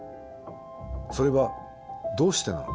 それはどうしてなのか？